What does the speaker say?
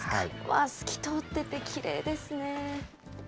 わー、透き通っててきれいですね。